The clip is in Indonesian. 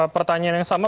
pertanyaan yang sama